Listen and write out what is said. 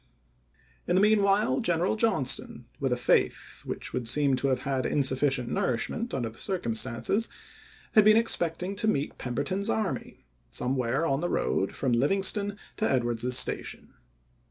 In the mean while General Johnston, with a faith which would seem to have had insufficient nourish ment under the circumstances, had been expecting ^SraSve to meet Pemberton's army somewhere on the road ofoUerta ry from Livingston to Edwards's Station.